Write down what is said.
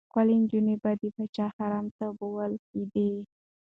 ښکلې نجونې به د پاچا حرم ته بېول کېدې.